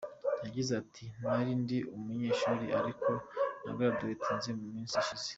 Yagize ati: “Nari ndi umunyeshuri ariko naragraduatinze mu minsi ishize.